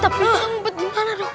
tapi kita ngumpet di mana dok